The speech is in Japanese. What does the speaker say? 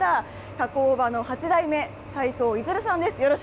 加工場の８代目、斎藤出さんです。